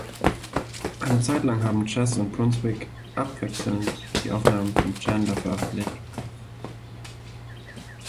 Eine Zeit lang haben Chess und Brunswick abwechselnd die Aufnahmen von Chandler veröffentlicht.